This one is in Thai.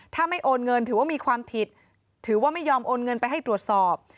ถ้าไม่โอนเงินถือว่ามีความผิดถือว่าไม่ยอมโอนเงินไปให้ตรวจสอบ